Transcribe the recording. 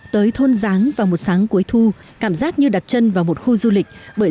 tới thôn giáng vào một sáng cuối thu cảm giác như đặt chân vào một khu du lịch bởi